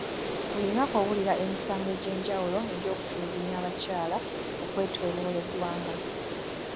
Buli lunaku owulira emisango egy'enjawulo egy'okutulugunya abakyala okwetooloola eggwanga.